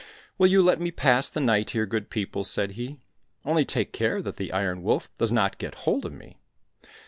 " Will you let me pass the night here, good people ?" said he ;" only take care that the Iron Wolf does not get hold of me